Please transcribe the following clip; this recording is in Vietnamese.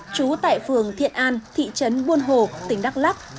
chú tại phường thiện an thị trấn buôn hồ tỉnh đắk lắk